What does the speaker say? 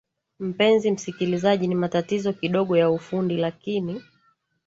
mpenzi msikilizaji ni matatizo kidogo ya ufundi lakini